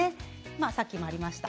さっきもありました